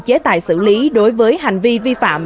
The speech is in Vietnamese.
chế tài xử lý đối với hành vi vi phạm